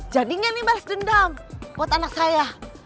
jadi nggak nih balas dendam buat anak saya